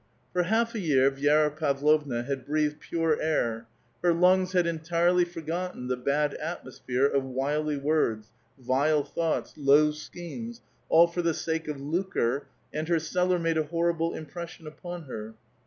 For half a year Vi^ra Pavlovna had breathed pure air ; her • limgs had entirely forgotten the bad atmosphere of wily words, vile thoughts, low schemes, all for the sake of lucre, and her cellar made a horrible impression upon her.